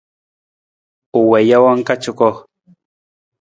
U wii jawang ka cuko.